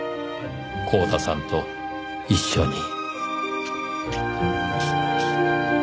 光田さんと一緒に。